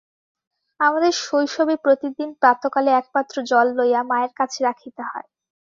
আমাদের শৈশবে প্রতিদিন প্রাতঃকালে একপাত্র জল লইয়া মায়ের কাছে রাখিতে হয়।